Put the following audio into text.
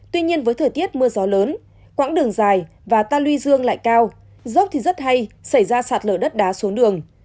tuy nhiên với thời tiết mưa gió lớn quãng đường dài và ta luy dương lại cao dốc thì rất hay xảy ra sạt lở đất đá xuống đường